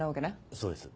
そうです。